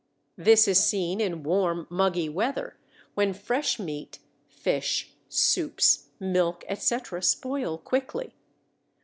This is seen in warm, muggy weather, when fresh meat, fish, soups, milk, etc., spoil quickly.